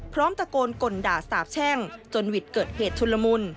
พร้อมตะโกนกลด่าสาบแช่งจนวิทย์เกิดเหตุชุนละมุน